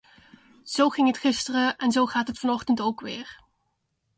Zo ging het gisteren en zo gaat het vanochtend ook weer.